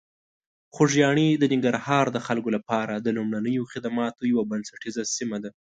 خوږیاڼي د ننګرهار د خلکو لپاره د لومړنیو خدماتو یوه بنسټیزه سیمه ده.